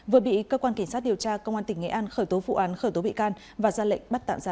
vừa bị cơ quan cảnh sát điều tra công an tỉnh nghệ an khởi tố vụ án khởi tố bị can và ra lệnh bắt tạm ra